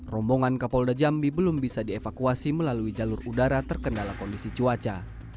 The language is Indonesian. rombongan kapolda jambi belum bisa dievakuasi melalui jalur udara terkendala kondisi cuaca